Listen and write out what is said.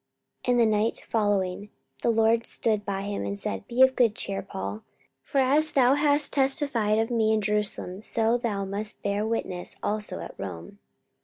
44:023:011 And the night following the Lord stood by him, and said, Be of good cheer, Paul: for as thou hast testified of me in Jerusalem, so must thou bear witness also at Rome.